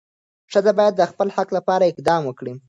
ښځه باید د خپل حق لپاره اقدام وکړي.